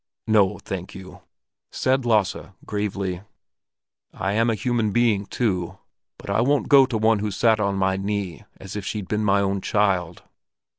"No, thank you!" said Lasse, gravely. "I am a human being too, but I won't go to one who's sat on my knee as if she'd been my own child."